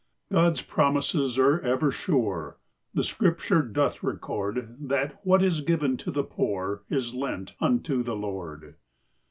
God's promises are ever sure, • The scripture. <doth record That what is given to the poor ! Is lent unto the Lord.